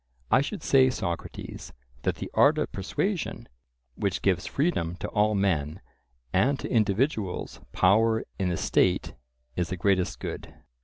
"I should say, Socrates, that the art of persuasion, which gives freedom to all men, and to individuals power in the state, is the greatest good."